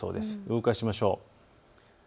動かしましょう。